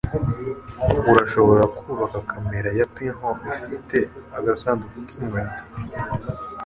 Urashobora kubaka kamera ya pinhole ifite agasanduku k'inkweto.